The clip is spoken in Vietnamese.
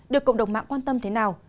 được cộng đồng mạng quan tâm thế nào